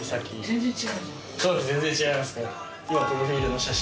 全然違いますね。